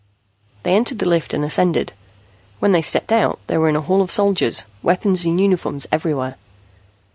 They entered the lift and ascended. When they stepped out, they were in a hall of soldiers, weapons and uniforms everywhere.